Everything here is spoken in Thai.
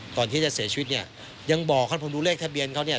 ก่อนที่จะเสียชีวิตยังบอกเขาผมดูเลขทะเบียนเขา